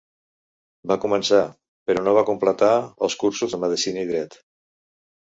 Va començar, però no va completar, els cursos de medicina i dret.